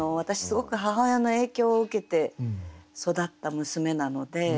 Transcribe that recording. すごく母親の影響を受けて育った娘なので。